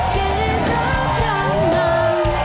เพียงลาจำนำ